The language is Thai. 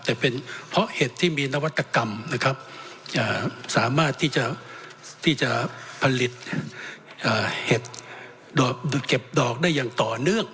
แต่เป็นเพราะเห็ดที่มีนวัตกรรมนะครับสามารถที่จะผลิตเห็ดเก็บดอกได้อย่างต่อเนื่อง